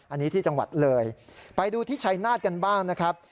อันนี้ที่จังหวัดเลยไปดูที่ชัยนาธกันบ้างนะครับ